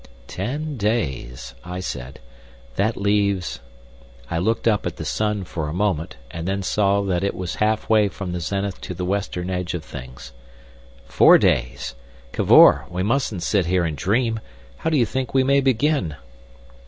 "Ten days," I said; "that leaves—" I looked up at the sun for a moment, and then saw that it was halfway from the zenith to the western edge of things. "Four days! ... Cavor, we mustn't sit here and dream. How do you think we may begin?"